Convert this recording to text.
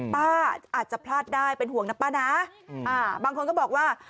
ป้าอาจจะพลาดได้เป็นห่วงนะป้านะบางคนก็บอกว่า